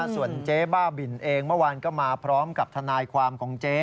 ส่วนเจ๊บ้าบินเองเมื่อวานก็มาพร้อมกับทนายความของเจ๊